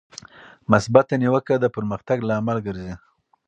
مثبته نیوکه د پرمختګ لامل ګرځي.